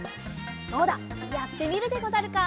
どうだやってみるでござるか？